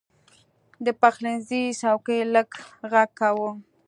د پخلنځي څوکۍ لږ غږ کاوه.